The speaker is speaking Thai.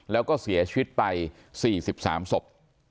แล้วก็เสียชีวิตไป๔๓ศพ